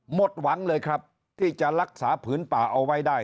หมดหวังเลยครับที่จะรักษาผืนป่าเอาไว้ได้